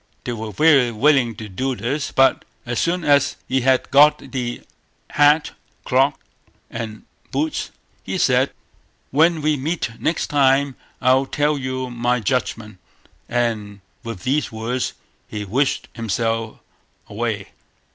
They were very willing to do this; but as soon as he had got the hat; cloak, and boots, he said: "When we meet next time I'll tell you my judgment"; and with these words he wished himself away.